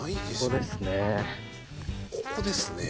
ここですね。